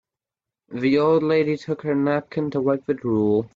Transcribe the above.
The old lady took her napkin to wipe the drool.